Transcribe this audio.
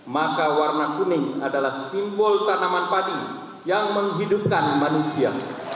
maka warna kuning adalah simbol tanaman padi yang menghidupkan manusia